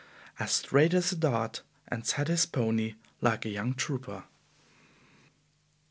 As straight as a dart, and sat his pony like a young trooper!"